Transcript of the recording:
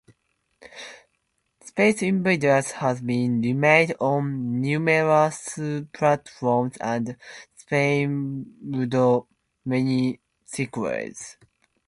"Space Invaders" has been remade on numerous platforms and spawned many sequels.